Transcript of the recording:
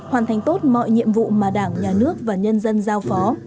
hoàn thành tốt mọi nhiệm vụ mà đảng nhà nước và nhân dân giao phó